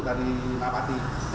jadi tanpa pakai makhluk hidup